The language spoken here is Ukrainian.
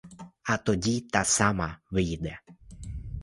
А тоді та сама виїде.